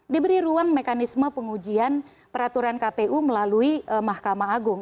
diberi ruang mekanisme pengujian peraturan kpu melalui mahkamah agung